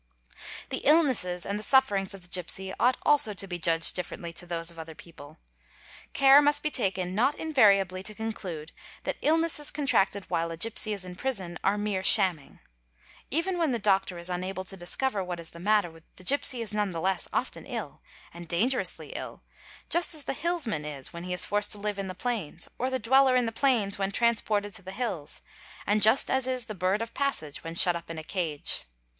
The illnesses and the sufferings of the gipsy ought also to be judged Gifferently to those of other people. Care must be taken not invariably to conclude that illnesses contracted while a gipsy is in prison are mere z shamming. Even when the doctor is unable to discover what is the tter the gipsy is none the less often ill, and dangerously ill, Just as the i... is when he is forced to live in the plains or the dweller in the plains when transported to the hills, and just as is the bird of passage 'y when shut up in a cage.